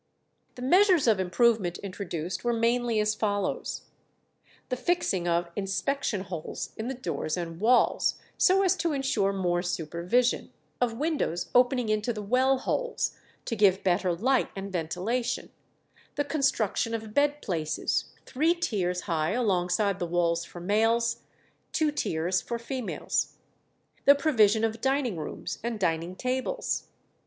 The measures of improvement introduced were mainly as follows: the fixing of "inspection holes" in the doors and walls, so as to insure more supervision; of windows opening into the well holes, to give better light and ventilation; the construction of bed places, three tiers high alongside the walls for males, two tiers for females; the provision of dining rooms and dining tables.